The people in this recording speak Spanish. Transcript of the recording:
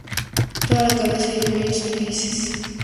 Toda la cabeza y el cuello son grises.